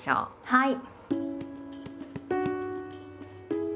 はい。